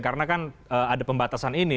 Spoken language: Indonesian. karena kan ada pembatasan ini